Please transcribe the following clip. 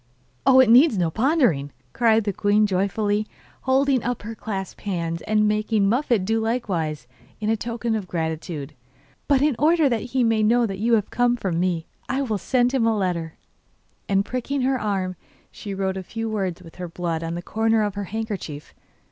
'Oh, it needs no pondering,' cried the queen joyfully, holding up her clasped hands, and making Muffette do likewise, in token of gratitude. But in order that he may know that you have come from me I will send him a letter.' And pricking her arm, she wrote a few words with her blood on the corner of her handkerchief.